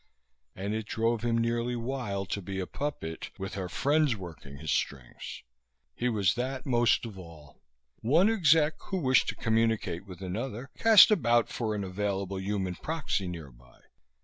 And it drove him nearly wild to be a puppet with her friends working his strings. He was that most of all. One exec who wished to communicate with another cast about for an available human proxy nearby.